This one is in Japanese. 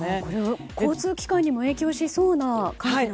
交通機関にも影響しそうな感じなんですか。